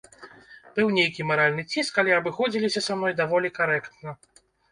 Быў нейкі маральны ціск, але абыходзіліся са мной даволі карэктна.